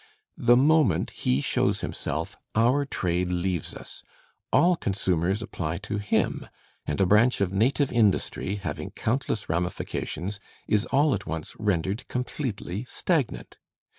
The moment he shows himself, our trade leaves us all consumers apply to him; and a branch of native industry, having countless ramifications, is all at once rendered completely stagnant.